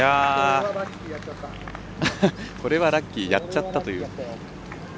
これはラッキーやっちゃったという。